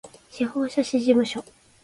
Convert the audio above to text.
司法書士事務所